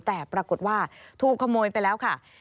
แต่ปรากฏว่าถูกขโมยไปแล้วค่ะ